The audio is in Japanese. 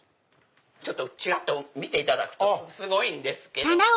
ちらっと見ていただくとすごいんですけども。